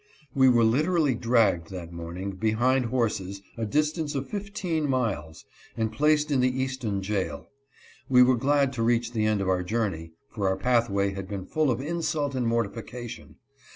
We were literally dragged, that morning, behind horses, a distance of fifteen miles, and placed in the Easton jail. We were glad to reach the end of our journey, for our pathway had been full of insult and mor tification.